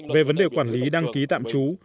về vấn đề quản lý đăng ký tạm chú